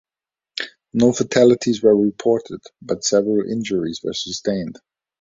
No fatalities were reported but several injuries were sustained.